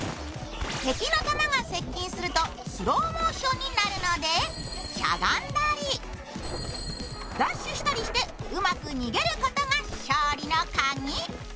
敵の弾が接近するとスローモーションになるのでしゃがんだり、ダッシュしたりしてうまく逃げることが勝利の鍵。